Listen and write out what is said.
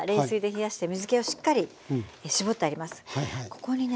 ここにね